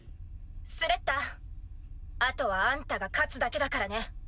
スレッタあとはあんたが勝つだけだからね。